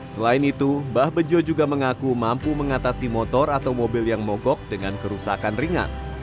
selain itu mbah bejo juga mengaku mampu mengatasi motor atau mobil yang mogok dengan kerusakan ringan